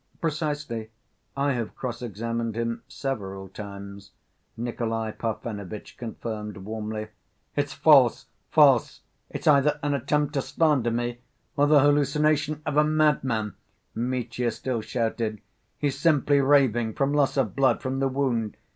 "Precisely. I have cross‐examined him several times," Nikolay Parfenovitch confirmed warmly. "It's false, false! It's either an attempt to slander me, or the hallucination of a madman," Mitya still shouted. "He's simply raving, from loss of blood, from the wound.